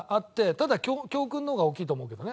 ただ教訓の方が大きいと思うけどね。